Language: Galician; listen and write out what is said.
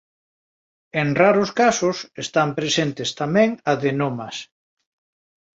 En raros casos están presentes tamén adenomas.